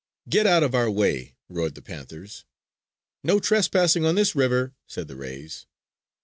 "Get out of our way!" roared the panthers. "No trespassing on this river!" said the rays.